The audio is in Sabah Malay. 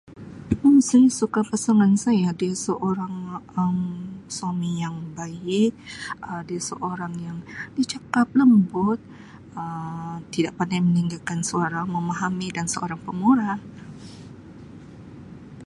[unintelligible] Saya suka pasangan saya dia seorang Um suami yang baik Um dia seorang yang dia cakap lembut Um tidak pandai meninggikan suara memahami dan seorang pemurah.